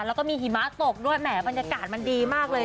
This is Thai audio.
แล้วก็มีหิมะตกด้วยแหมบรรยากาศมันดีมากเลย